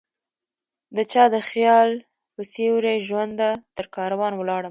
دچا د خیال په سیوری ژونده ؛ ترکاروان ولاړمه